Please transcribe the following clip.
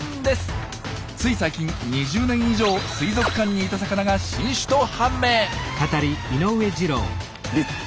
つい最近２０年以上水族館にいた魚が新種と判明！